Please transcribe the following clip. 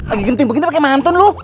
eh deh lagi genting begitu pakai mantun lu